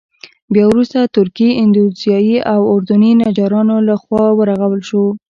بیا وروسته د تركي، اندونيزيايي او اردني نجارانو له خوا ورغول شو.